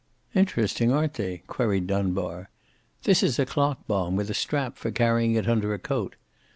"Interesting, aren't they?" queried Dunbar. "This is a clock bomb with a strap for carrying it under a coat.